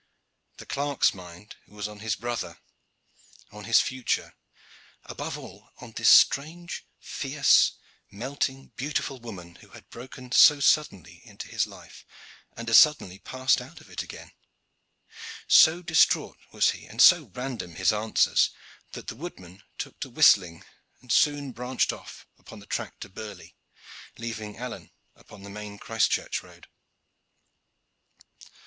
The clerk's mind was on his brother, on his future above all on this strange, fierce, melting, beautiful woman who had broken so suddenly into his life, and as suddenly passed out of it again. So distrait was he and so random his answers, that the woodman took to whistling, and soon branched off upon the track to Burley, leaving Alleyne upon the main Christchurch road.